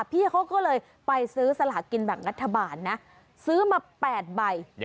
พี่เขาก็เลยไปซื้อสลากินแบ่งรัฐบาลนะซื้อมา๘ใบ